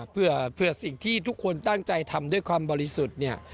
เพื่อสิ่งที่ทุกคนตั้งใจทำด้วยความบริสุทธิ์เนี่ย